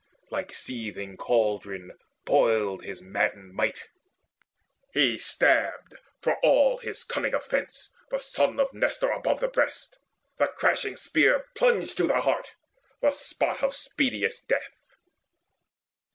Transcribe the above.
Like seething cauldron boiled his maddened might. He stabbed, for all his cunning of fence, the son Of Nestor above the breast; the crashing spear Plunged to the heart, the spot of speediest death.